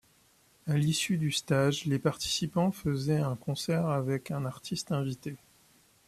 À l'issue du stage, les participants faisaient un concert avec un artiste invité.